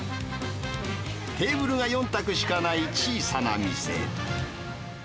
テーブルが４卓しかない小さな店。